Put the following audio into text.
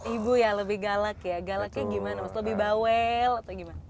ibu ya lebih galak ya galaknya gimana mas lebih bawel atau gimana